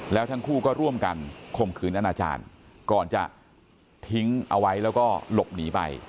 แล้วทั้งคู่ก็ร่วมกันข่มขืนอนาจารย์ก่อนจะทิ้งเอาไว้แล้วก็หลบหนีไป